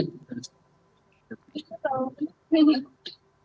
tiga atau lima menit